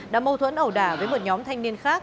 đã mâu thuẫn ẩu đả với một nhóm thanh niên khác